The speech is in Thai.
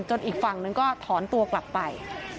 อีกฝั่งนึงก็ถอนตัวกลับไป